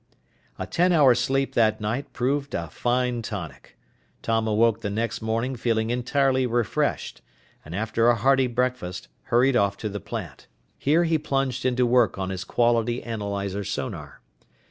A ten hour sleep that night proved a fine tonic. Tom awoke the next morning feeling entirely refreshed, and after a hearty breakfast, hurried off to the plant. Here he plunged into work on his quality analyzer sonar.